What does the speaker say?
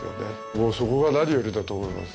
もうそこが何よりだと思います。